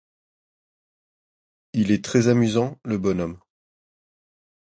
Il est très amusant, le bonhomme !